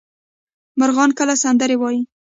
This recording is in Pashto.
مرغان کله سندرې وايي؟